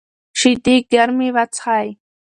شیدې ګرمې وڅښئ.